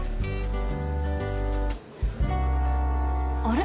あれ？